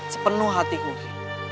sepenuh hatiku ki